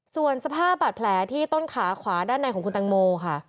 ส่วนสภาพบาดแผลที่ต้นขาขวาด้านในของคุณตังโมค่ะ